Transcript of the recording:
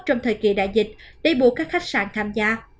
trong thời kỳ đại dịch để buộc các khách sạn tham gia